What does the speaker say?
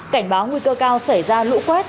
cảnh báo nguy cơ cao xảy ra lũ quét